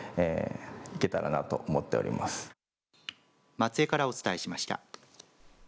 松江からお伝えしました。